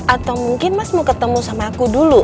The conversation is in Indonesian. atau mungkin mas mau ketemu sama aku dulu